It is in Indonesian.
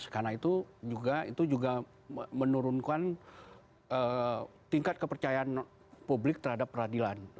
karena itu juga menurunkan tingkat kepercayaan publik terhadap peradilan